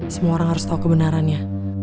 semua orang harus tahu kebenarannya